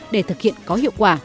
để thực hiện có hiệu quả